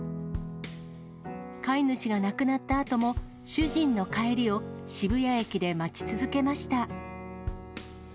飼い主が亡くなったあとも、主人の帰りを渋谷駅で待ち続けました。